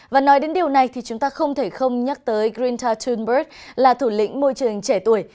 và nói đến điều này thì chúng ta không thể không nhắc tới grinta thunberg là thủ lĩnh môi trường trẻ tuổi